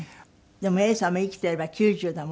でも永さんも生きていれば９０だもんね。